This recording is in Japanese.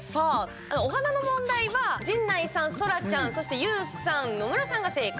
おはなの問題は陣内さん、そらちゃん、そしてＹＯＵさん、野村さんが正解。